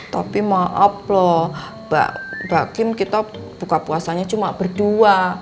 tapi mohon maaf loh mbak kim kita buka puasanya cuma berdua